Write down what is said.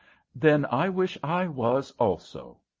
"Then I wish I was also."